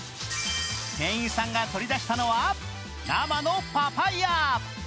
店員さんが取り出したのは生のパパイヤ。